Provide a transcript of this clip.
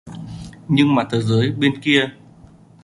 Nhưng mà thế giới bên kia